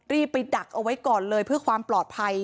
รีบไปดักเอาไว้ก่อนเลยเพื่อความปลอดภัย